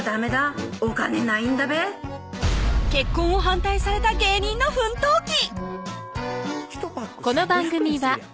結婚を反対された芸人の奮闘記